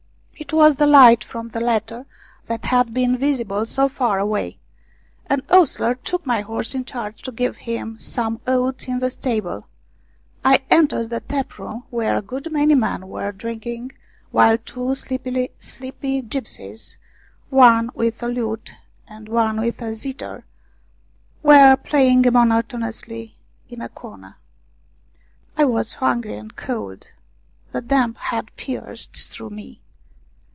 It was the light from the latter that had been visible so far away. An ostler took my horse in charge to give him some oats in the stable. I entered the tap room where a good many men were drinking, while two sleepy gipsies, one with a lute and one with a zither, were playing monotonously in a corner. I was hungry and cold. The damp had pierced through me.